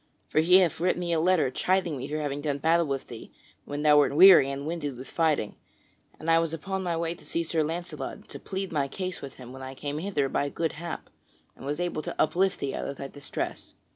For he hath writ me a letter chiding me for having done battle with thee when thou wert weary and winded with fighting. And I was upon my way to see Sir Launcelot and to plead my cause with him when I came hither by good hap, and was able to uplift thee out of thy distress."